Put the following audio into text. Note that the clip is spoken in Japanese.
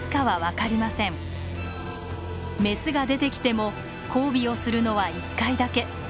メスが出てきても交尾をするのは一回だけ。